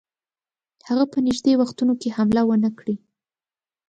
هغه په نیژدې وختونو کې حمله ونه کړي.